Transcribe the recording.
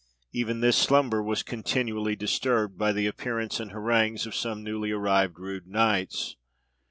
Even this slumber was continually disturbed by the appearance and harangues of some newly arrived rude knights.